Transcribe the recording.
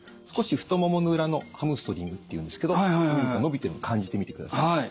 少し太ももの裏のハムストリングっていうんですけど伸びてるのを感じてみてください。